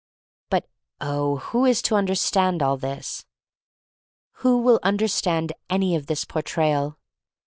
But, oh — who is to understand all this? Who will understand any of this Portrayal?